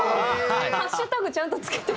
ハッシュタグちゃんと付けて。